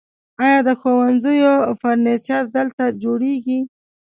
آیا د ښوونځیو فرنیچر دلته جوړیږي؟